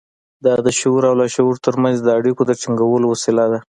دا د شعور او لاشعور ترمنځ د اړيکو د ټينګولو وسيله ده.